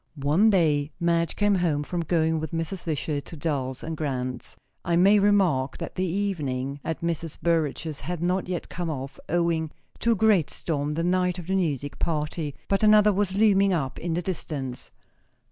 One day Madge came home from going with Mrs. Wishart to Dulles & Grant's. I may remark that the evening at Mrs. Burrage's had not yet come off, owing to a great storm the night of the music party; but another was looming up in the distance.